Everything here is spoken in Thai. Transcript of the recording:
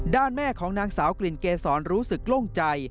แม่ของนางสาวกลิ่นเกษรรู้สึกโล่งใจ